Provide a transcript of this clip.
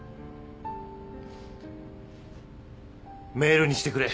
メールにしてくれ。